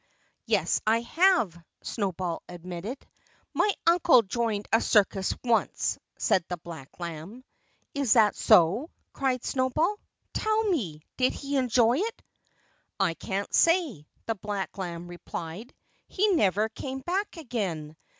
"Yes, I have," Snowball admitted. "My uncle joined a circus once," said the black lamb. "Is that so?" cried Snowball. "Tell me did he enjoy it?" "I can't say," the black lamb replied. "He never came back again.